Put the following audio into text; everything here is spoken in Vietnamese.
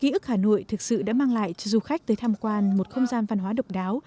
ký ức hà nội thực sự đã mang lại cho du khách tới tham quan một không gian văn hóa độc đáo